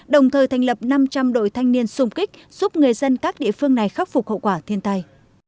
đồng thời thành lập năm trăm linh đội thanh niên xung kích giúp người dân các địa phương này khắc phục hậu quả thiên tai